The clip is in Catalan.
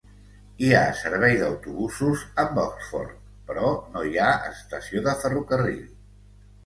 Hi ha servei d'autobusos amb Oxford, però no hi ha estació de ferrocarril.